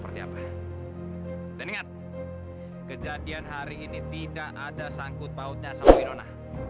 dan ingat kejadian hari ini tidak ada sangkut pautnya sama winona